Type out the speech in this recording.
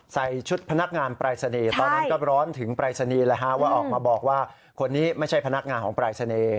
ใส่ชุดพนักงานปรายศนีย์ตอนนั้นก็ร้อนถึงปรายศนีย์ว่าออกมาบอกว่าคนนี้ไม่ใช่พนักงานของปรายศนีย์